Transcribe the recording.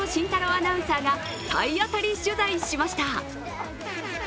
アナウンサーが体当たり取材しました。